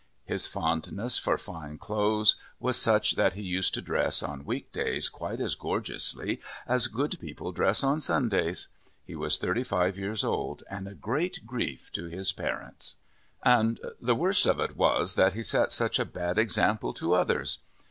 His fondness for fine clothes was such that he used to dress on week days quite as gorgeously as good people dress on Sundays. He was thirty five years old and a great grief to his parents. And the worst of it was that he set such a bad example to others.